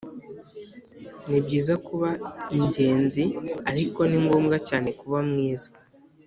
nibyiza kuba ingenzi ariko ni ngombwa cyane kuba mwiza